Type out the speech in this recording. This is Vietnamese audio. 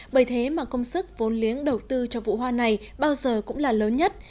bởi thế mà công sức vốn liếng đầu tư cho vụ hoa này bao giờ cũng là lớn nhất